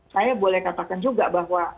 saya boleh katakan juga bahwa